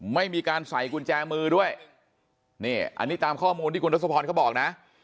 ไม่มีการใส่กุญแจมือด้วยนี่อันนี้ตามข้อมูลที่คุณทศพรเขาบอกนะ